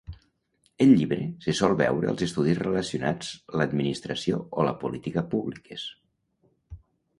El llibre se sol veure als estudis relacionats l'administració o la política públiques.